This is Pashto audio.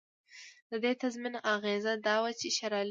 د دې تضمین اغېزه دا وه چې شېرعلي.